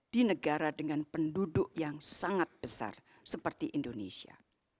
di negara dengan penduduk yang sangat besar seperti indonesia